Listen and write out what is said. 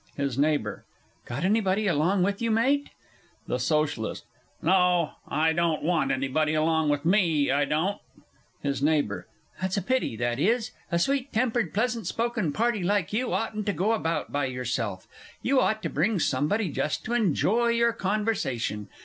HIS NEIGHBOUR. Got anybody along with you, Mate? THE SOCIALIST. No, I don't want anybody along with me, I don't. HIS NEIGHBOUR. That's a pity, that is. A sweet tempered, pleasant spoken party like you are oughtn't to go about by yourself. You ought to bring somebody just to enjoy your conversation.